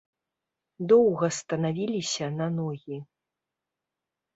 Доўга станавіліся на ногі.